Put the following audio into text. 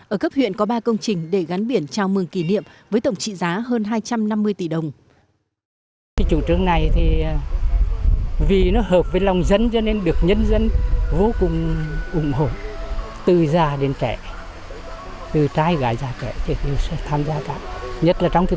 ở cấp huyện có ba công trình để gắn biển chào mừng kỷ niệm với tổng trị giá hơn hai trăm năm mươi tỷ đồng